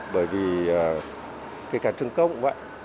bởi vì kể cả trường cốc cũng vậy